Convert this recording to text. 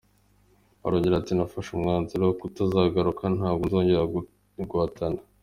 Arongera ati “Nafashe umwanzuro wo kutazagaruka, ntabwo nzongera guhatana.